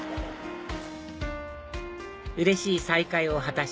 うれしい再会を果たし